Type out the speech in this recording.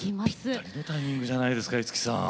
ぴったりのタイミングじゃないですか五木さん。